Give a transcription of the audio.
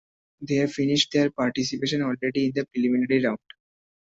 They have finished their participation already in the preliminary round.